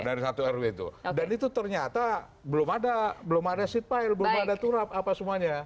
dari satu rw itu dan itu ternyata belum ada belum ada seat pile belum ada turap apa semuanya